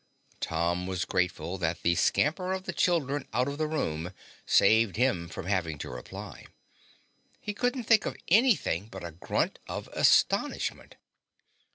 Tom was grateful that the scamper of the children out of the room saved him from having to reply. He couldn't think of anything but a grunt of astonishment.